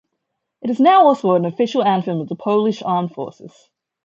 It is also now an official anthem of the Polish Armed Forces.